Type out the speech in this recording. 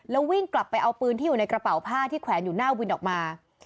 แล้ววิ่งกลับไปเอาปืนที่อยู่ในกระเป๋าผ้าที่แขวนอยู่หน้าวินออกมา